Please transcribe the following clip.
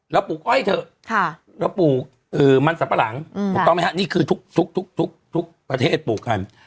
ปลูกอ้อยเถอะเราปลูกมันสับปะหลังถูกต้องไหมฮะนี่คือทุกประเทศปลูกกัน